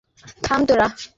হেই, থাম তোরা!